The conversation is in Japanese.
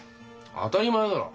当たり前だろ。